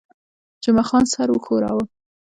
جمعه خان سر وښوراوه.